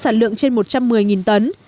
sản lượng trên một trăm một mươi tấn